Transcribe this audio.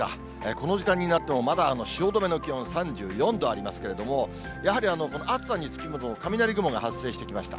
この時間になっても、まだ汐留の気温３４度ありますけれども、やはり暑さに付き物の雷雲が発生してきました。